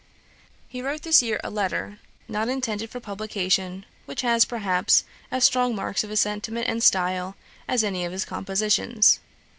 He wrote this year a letter, not intended for publication, which has, perhaps, as strong marks of his sentiment and style, as any of his compositions.